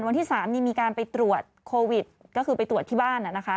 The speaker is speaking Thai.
วันที่๓นี่มีการไปตรวจโควิดก็คือไปตรวจที่บ้านนะคะ